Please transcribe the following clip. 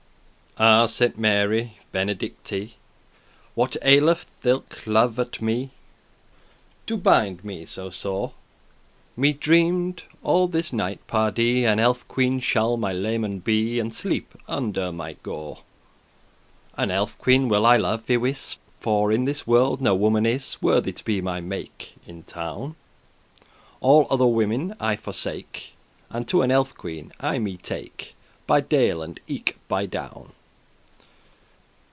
"Ah, Saint Mary, ben'dicite, What aileth thilke* love at me *this To binde me so sore? Me dreamed all this night, pardie, An elf queen shall my leman* be, *mistress And sleep under my gore.* *shirt An elf queen will I love, y wis,* *assuredly For in this world no woman is Worthy to be my make* *mate In town; All other women I forsake, And to an elf queen I me take By dale and eke by down."